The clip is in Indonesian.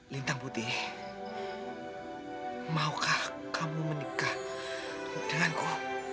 lintang putih maukah kamu menikah denganku